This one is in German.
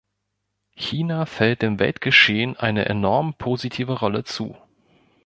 China fällt im Weltgeschehen eine enorm positive Rolle zu.